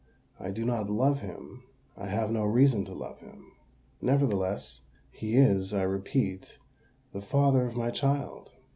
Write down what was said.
I do not love him—I have no reason to love him: nevertheless, he is—I repeat—the father of my child!